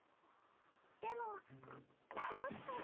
でもどうしたら。